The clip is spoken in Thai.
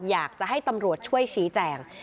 อยากจะให้ตำรวจช่วยชี้แจง